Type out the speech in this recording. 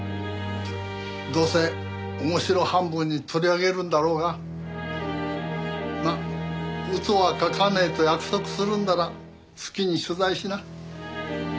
どうせ面白半分に取り上げるんだろうがまあ嘘は書かねえと約束するんなら好きに取材しな。